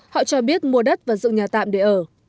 họ cho biết mua đất và dựng nhà tạm để ở